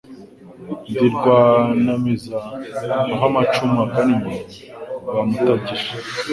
Ndi Rwanamiza aho amacumu agannye rwa mutagisha